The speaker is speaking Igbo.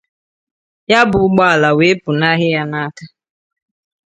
ya bụ ụgbọala wee pụnahị ya n'aka